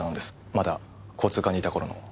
まだ交通課にいた頃の。